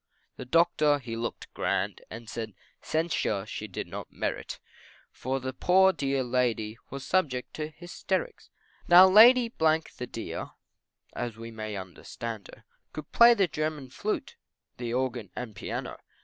The Doctor he looked grand, And said censure she did not merit, For the poor dear Lady Was subject to hysterics. Now Lady , the dear, As we may understand her, Could play the German flute, The organ and piano.